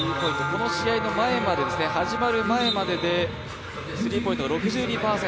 この試合が始まる前まででスリーポイントが６２％。